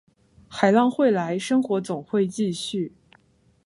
海浪会来，生活总会继续